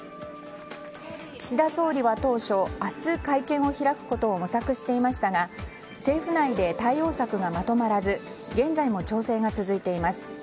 岸田総理は当初明日、会見を開くことを模索していましたが政府内で対応策がまとまらず現在も調整が続いています。